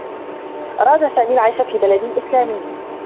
أراد سامي العيش في بلد إسلامي.